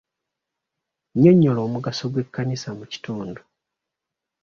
Nnyonyola omugaso gw'ekkanisa mu kitundu.